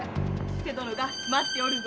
千勢殿が待っておるぞ。